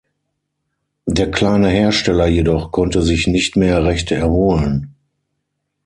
Der kleine Hersteller jedoch konnte sich nicht mehr recht erholen.